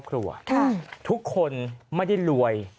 ค่ะทุกคนไม่ได้รวย